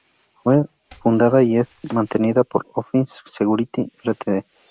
Fue fundada y es mantenida por Offensive Security Ltd.